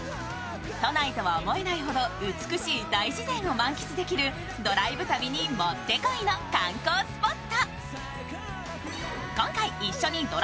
都内とは思えないほど美しい大自然を満喫できるドライブ旅にもってこいの観光スポット。